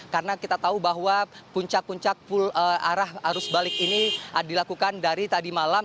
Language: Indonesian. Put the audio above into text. karena kita tahu bahwa puncak puncak arah arus balik ini dilakukan dari tadi malam